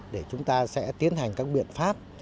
để chúng ta sẽ tiến hành các biện pháp